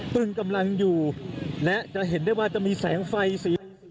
ตึงกำลังอยู่และจะเห็นได้ว่าจะมีแสงไฟสี